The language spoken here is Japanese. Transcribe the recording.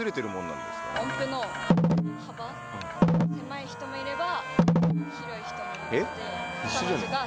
狭い人もいれば広い人もいるので。